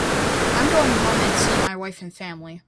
I'm going home and see my wife and family.